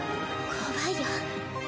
怖いよ。